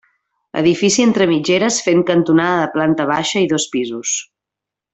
Edifici entre mitgeres fent cantonada de planta baixa i dos pisos.